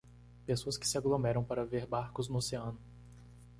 Pessoas que se aglomeram para ver barcos no oceano.